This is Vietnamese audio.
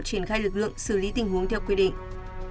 triển khai lực lượng xử lý tình huống theo quy định